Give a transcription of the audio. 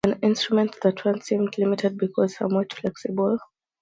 An instrument that once seemed limited became somewhat flexible.